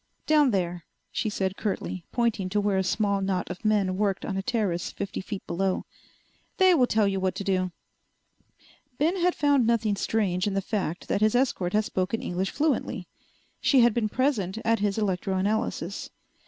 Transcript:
"Down there," she said curtly, pointing to where a small knot of men worked on a terrace fifty feet below. "They will tell you what to do." Ben had found nothing strange in the fact that his escort had spoken English fluently. She had been present at his electroanalysis.